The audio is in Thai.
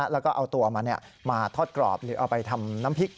แล้วก็เอาตัวมันมาทอดกรอบหรือเอาไปทำน้ำพริก